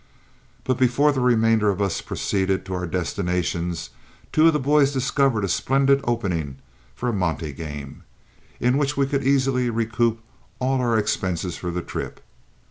But before the remainder of us proceeded to our destinations two of the boys discovered a splendid opening for a monte game, in which we could easily recoup all our expenses for the trip.